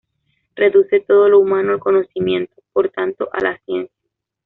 Reduce todo lo humano al conocimiento; por tanto, a la ciencia.